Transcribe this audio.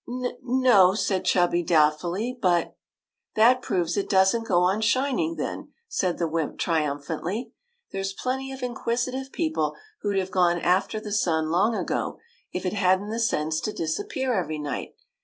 *'N no," said Chubby, doubtfully, "but —"" That proves it does n't go on shining, then," said the wymp, triumphantly. '' There 's plenty of inquisitive people who 'd have gone after the sun long ago, if it had n't the sense to disappear every night.